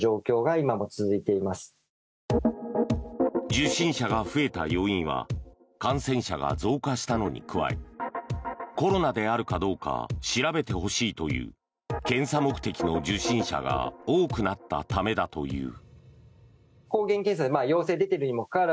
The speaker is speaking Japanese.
受診者が増えた要因は感染者が増加したのに加えコロナであるかどうか調べてほしいという検査目的の受診者が多くなったためだという。